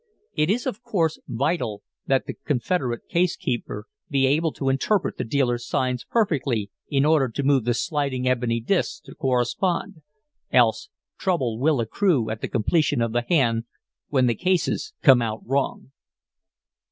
It is, of course, vital that the confederate case keeper be able to interpret the dealer's signs perfectly in order to move the sliding ebony disks to correspond, else trouble will accrue at the completion of the hand when the cases come out wrong.